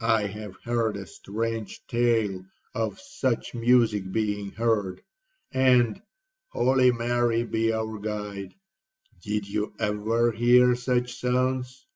I have heard a strange tale of such music being heard; and—Holy Mary be our guide! did you ever hear such sounds?'